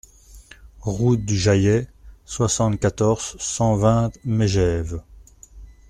Route du Jaillet, soixante-quatorze, cent vingt Megève